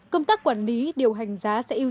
công tác quản lý điều hành giá sẽ ưu